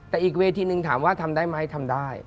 แต่อีกเวทีนึงถามว่าทำได้ไหมทำได้